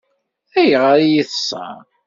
Ayɣer i yi-teṣṣeṛ?